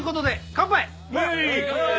乾杯！